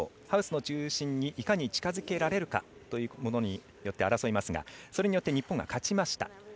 ハウスの中心にいかに近づけられるかというものによって争いますが、それによって日本が勝ちました。